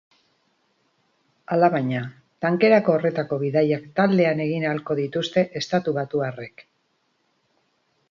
Alabaina, tankerako horretako bidaiak taldean egin ahalko dituzte estatubatuarrek.